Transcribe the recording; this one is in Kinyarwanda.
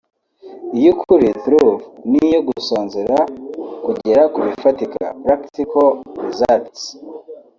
iy’Ukuri (Truth) n’iyo gusonzera kugera kubifatika (Practical Results)